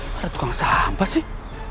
mana tukang sampah sih